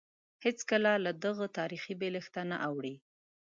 هېڅکله له دغه تاریخي بېلښته نه اوړي.